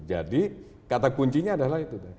jadi kata kuncinya adalah itu